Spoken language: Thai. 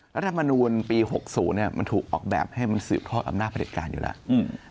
รัฐมนูลปี๖๐มันถูกออกแบบให้มันสืบทอดอำนาจประเด็จการอยู่แล้ว